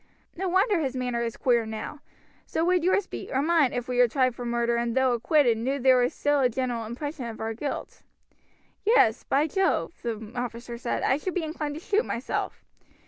No wonder his manner is queer now; so would yours be, or mine, if we were tried for murder and, though acquitted, knew there was still a general impression of our guilt." "Yes, by Jove," the officer said, "I should be inclined to shoot myself.